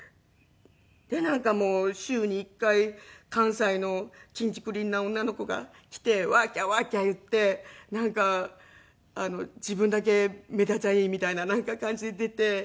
なんかもう週に１回関西のちんちくりんな女の子が来てワーキャーワーキャー言ってなんか自分だけ目立ちゃいいみたいな感じで出て。